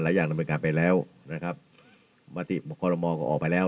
อย่างดำเนินการไปแล้วนะครับมติคอรมอลก็ออกไปแล้ว